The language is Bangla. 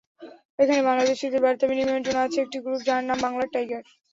এখানে বাংলাদেশিদের বার্তা বিনিময়ের জন্য আছে একটি গ্রুপ, যার নাম বাংলার টাইগার।